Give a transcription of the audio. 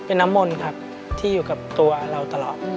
เป็นน้ำมนต์ครับที่อยู่กับตัวเราตลอด